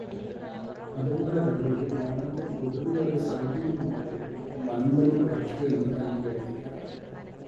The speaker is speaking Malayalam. അതുപോലെതന്നെ, ഒരു ഗ്രാമത്തിൽ കൊതുകുവല സൗജന്യമായി നൽകുന്നത് മലമ്പനി കുറച്ചു എന്നുതന്നെ കരുതിയാൽ